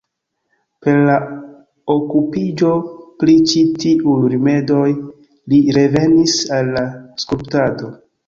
Per la okupiĝo pri ĉi tiuj rimedoj li revenis al la skulptado.